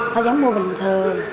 ta dám mua bình thường